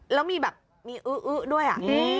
แล้วมีแบบมีอื้อด้วยอ่ะ